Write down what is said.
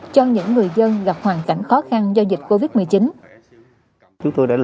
cho những người dân gặp hoàn cảnh khó khăn do dịch covid một mươi chín